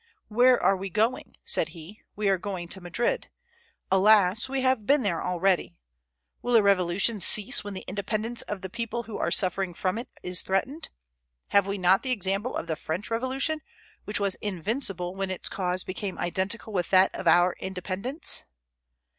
"Where are we going?" said he. "We are going to Madrid. Alas, we have been there already! Will a revolution cease when the independence of the people who are suffering from it is threatened? Have we not the example of the French Revolution, which was invincible when its cause became identical with that of our independence?"